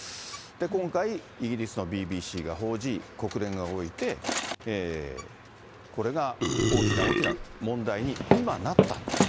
今回、イギリスのＢＢＣが報じ、国連が動いて、これが大きな大きな問題に今、なった。